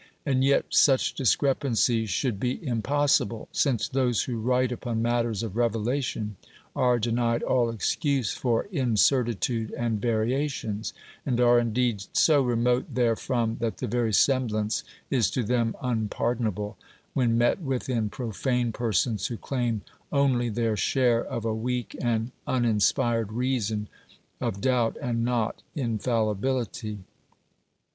And yet such discrepancies should be impossible, since those who write upon matters of revelation are denied all excuse for incertitude and variations ; and are indeed so remote therefrom that the very semblance is to them unpardonable, when met with in profane persons who claim only their share of a weak and uninspired reason, of doubt and not infallibility.